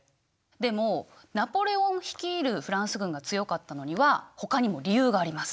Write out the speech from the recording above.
でもナポレオン率いるフランス軍が強かったのにはほかにも理由があります。